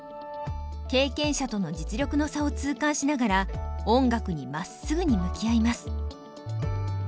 経験者との実力の差を痛感しながら音楽にまっすぐに向き合います。